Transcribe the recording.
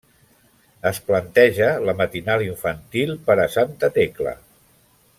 Es planteja la matinal infantil per a Santa Tecla.